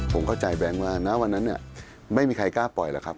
ผมเข้าใจแบงค์ว่าณวันนั้นเนี่ยไม่มีใครกล้าปล่อยหรอกครับ